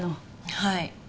はい。